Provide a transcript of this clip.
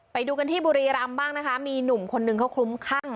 ไปดูกันที่บุรีรำบ้างนะคะมีหนุ่มคนนึงเขาคลุ้มคั่ง